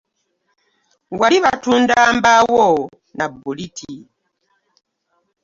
Wali batunda mbaawo na bbuliti.